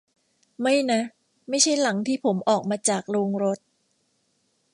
ไม่นะ ไม่ใช่หลังที่ผมออกมาจากโรงรถ